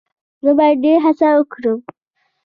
زه باید ډیر هڅه وکړم.